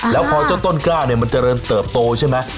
แล้วพอเจ้าต้นกล้ามันจะเริ่มเติบโตใช่ไหม